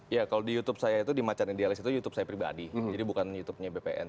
ya kalau di youtube saya itu di macan idealis itu youtube saya pribadi jadi bukan youtubenya bpn